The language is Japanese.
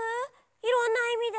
いろんないみで。